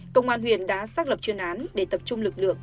công an huyện đã xác lập chuyên án để tập trung lực lượng